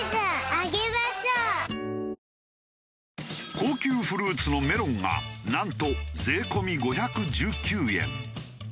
高級フルーツのメロンがなんと税込み５１９円。